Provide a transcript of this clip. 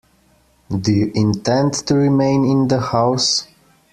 Do you intend to remain in the house?